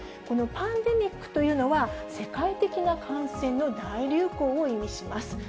このパンデミックというのは、世界的な感染の大流行を意味します。